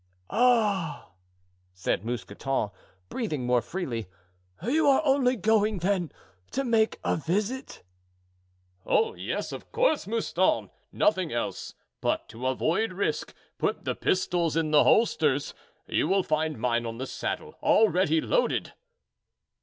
"Ah," said Mousqueton, breathing more freely, "you are only going, then, to make a visit?" "Oh! yes, of course, Mouston; nothing else. But to avoid risk, put the pistols in the holsters. You will find mine on my saddle, already loaded."